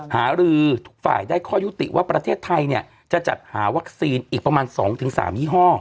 หารือทุกฝ่ายได้ข้อยุติว่าประเทศไทยเนี่ยจะจัดหาวัคซีนอีกประมาณ๒๓ยี่ห้อ